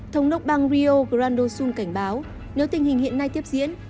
thống đốc bang rio grande do sul cảnh báo nếu tình hình hiện nay tiếp diễn